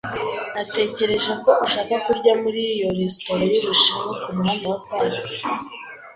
Natekereje ko ushaka kurya muri iyo resitora y'Ubushinwa kumuhanda wa Park.